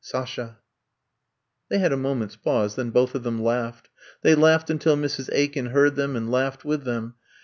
Sasha/' They had a moment ^s pause, then both of them laughed; they laughed until Mrs. Aiken heard them, and laughed with them.